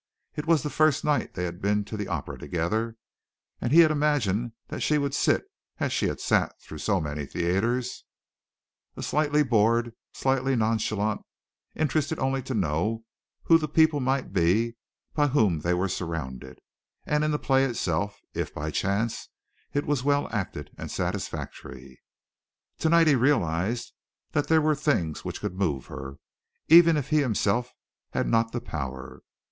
It was the first night they had been to the Opera together, and he had imagined that she would sit as she had sat through so many theatres, slightly bored, slightly nonchalant, interested only to know who the people might be by whom they were surrounded, and in the play itself if by chance it was well acted and satisfactory. To night, he realized that there were things which could move her, even if he himself had not the power.